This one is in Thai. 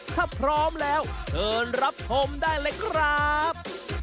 ถ้าพร้อมแล้วเชิญรับชมได้เลยครับ